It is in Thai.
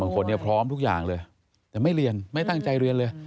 พร้อมเนี่ยพร้อมทุกอย่างเลยแต่ไม่เรียนไม่ตั้งใจเรียนเลย